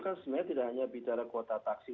kan sebenarnya tidak hanya bicara kuota taksi